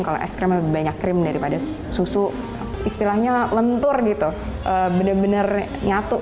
kalau es krim lebih banyak krim daripada susu istilahnya lentur gitu benar benar nyatu